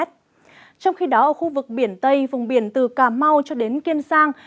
trong khi đó ở khu vực biển tây vùng biển từ cà mau cho đến kiên giang